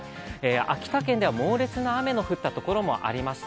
秋田県では猛烈な雨の降ったところもありました。